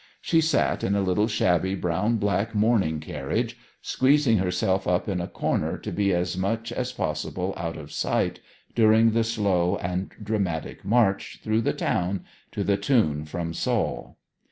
She sat in a little shabby brown black mourning carriage, squeezing herself up in a corner to be as much as possible out of sight during the slow and dramatic march through the town to the tune from Saul.